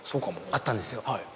あったんですよ。